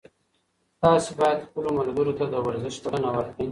تاسي باید خپلو ملګرو ته د ورزش بلنه ورکړئ.